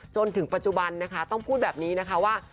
จนถึงปัจจุบันนะคะต้องพูดแบบนี้นะคะว่า